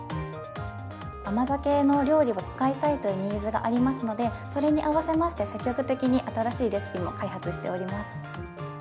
甘酒を料理を使いたいというニーズがありますので、それに合わせまして、積極的に新しいレシピも開発しております。